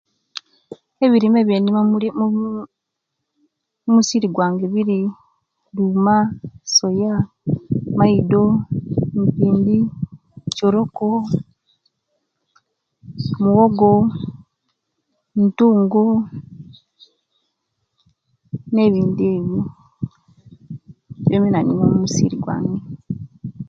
Ebirime ebiyenima omusiri gwange biri duma, soya, maido, mpindi choroko, muwogo, ntungo nebindi ebiyo byobyona inima omusiri gwange